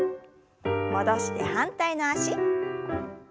戻して反対の脚。